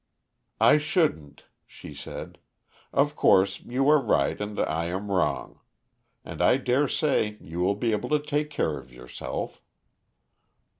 "I shouldn't," she said. "Of course, you are right and I am wrong. And I dare say you will be able to take care of yourself."